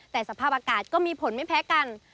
แต่สภาพอากาศก็มีผลไม่แพ้กัน